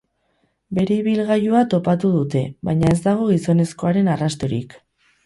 Bere ibilgailua topatu dute, baina ez dago gizonezkoaren arrastorik.